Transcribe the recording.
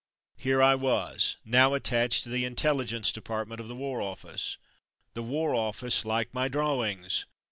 Here I was now attached to the Intelli gence Department of the War Office !" The War Office like my drawings!!''